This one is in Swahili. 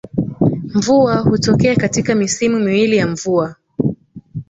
Mvua hutokea katika misimu miwili ya mvua